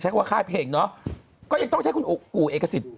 ใช้แค่ว่าค่ายเพลงเนอะก็ยังต้องใช้คุณกูเอกสิต